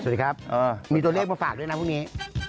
สวัสดีครับกลับมาฟากไปตอนนี้